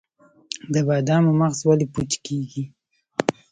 د بادامو مغز ولې پوچ کیږي؟